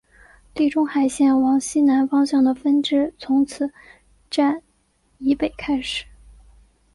地中海线往西南方向的分支从此站以北开始。